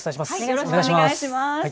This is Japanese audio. よろしくお願いします。